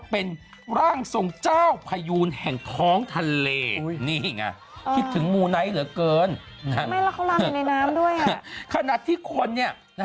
ปรากฏว่าอย่าตื่นเต้น